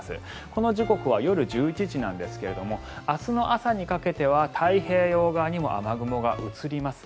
この時刻は夜１１時なんですが明日の朝にかけては太平洋側にも雨雲が移ります。